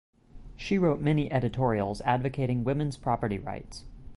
She wrote many editorials advocating women's property rights.